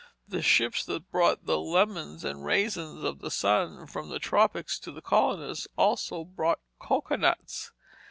The ships that brought "lemmons and raysins of the sun" from the tropics to the colonists, also brought cocoanuts.